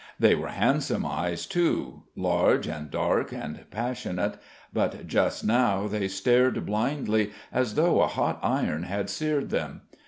They were handsome eyes, too, large and dark and passionate: but just now they stared blindly as though a hot iron had seared them.